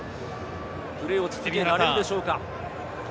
プレーを続けられるでしょうか？